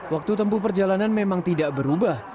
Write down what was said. waktu tempuh perjalanan memang tidak berubah